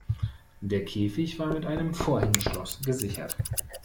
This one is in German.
Der Käfig war mit einem Vorhängeschloss gesichert.